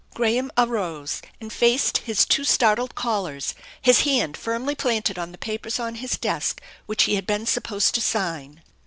Graham arose and faced his two startled callers, his hand firmly planted on the papers on his desk which he "had been supposed to sign.